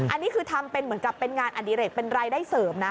อันนี้คือทำเป็นเหมือนกับเป็นงานอดิเรกเป็นรายได้เสริมนะ